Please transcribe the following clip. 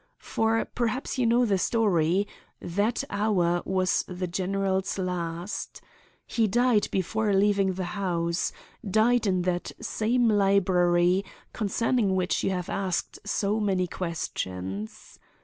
For—perhaps you know the story—that hour was the general's last. He died before leaving the house; died in that same dark library concerning which you have asked so many questions.